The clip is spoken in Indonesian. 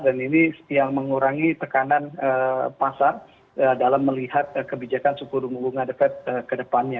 dan ini yang mengurangi tekanan pasar dalam melihat kebijakan suku bunga defat ke depannya